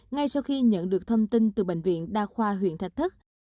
ngay sau khi nhận được thông tin từ bệnh viện đa khoa huyện thạch thất